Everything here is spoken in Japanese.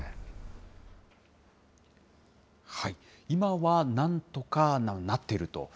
今はなんとかなっていると。